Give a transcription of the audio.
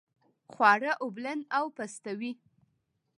خواړه اوبلن او پستوي.